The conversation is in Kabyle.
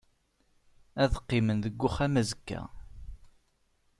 Ad qqimen deg uxxam azekka.